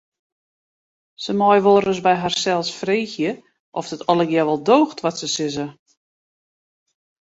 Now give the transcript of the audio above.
Se meie wolris by harsels freegje oft it allegearre wol doocht wat se sizze.